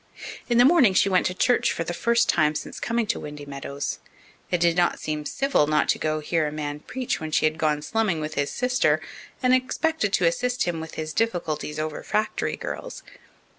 In the morning she went to church for the first time since coming to Windy Meadows. It did not seem civil not to go to hear a man preach when she had gone slumming with his sister and expected to assist him with his difficulties over factory girls.